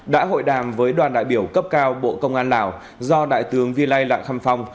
đã hội đàm với đoàn đại biểu cấp cao bộ công an lào do đại tướng viên lai lạng khăm phong